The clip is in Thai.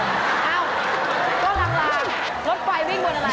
อ้าวก็หลังรถไฟวิ่งบนอะไร